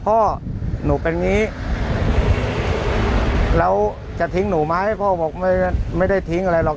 พ่อหนูเป็นอย่างนี้แล้วจะทิ้งหนูไหมพ่อบอกไม่ได้ทิ้งอะไรหรอก